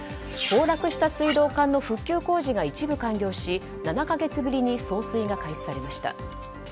崩落した水道管の復旧工事が一部完了し７か月ぶりに送水が開始されました。